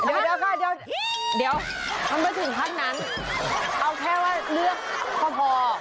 เดี๋ยวมันไม่ถึงครั้งนั้น